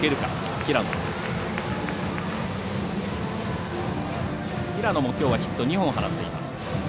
平野も、きょうはヒット２本放っています。